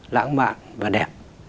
lãng mạn và đẹp